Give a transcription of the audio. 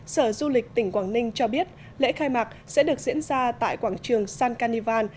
sở du lịch tỉnh quảng ninh cho biết lễ khai mạc sẽ được diễn ra tại quảng trường san caneva